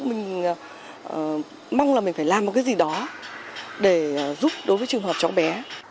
mình mong là mình phải làm một cái gì đó để giúp đối với trường hợp cháu bé